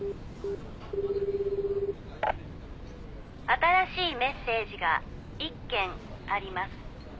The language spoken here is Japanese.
「新しいメッセージが１件あります」